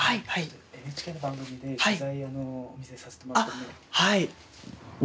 ＮＨＫの番組で取材をお店でさせてもらっていて。